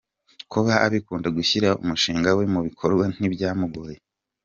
Kuba abikunda gushyira umushinga we mu bikorwa ntibyamugoye.